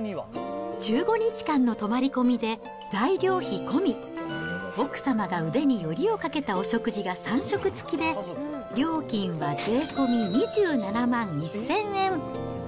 １５日間の泊まり込みで材料費込み、奥様が腕によりをかけたお食事が３食付きで料金は税込み２７万１０００円。